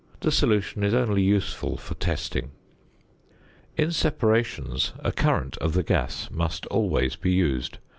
The solution is only useful for testing. In separations, a current of the gas must always be used.